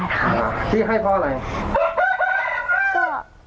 พี่ให้เพราะอะไร